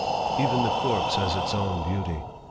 Even the corpse has its own beauty.